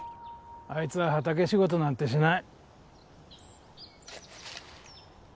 あいつは畑仕事なんてしない。